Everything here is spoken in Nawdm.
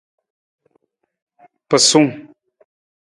Pasung.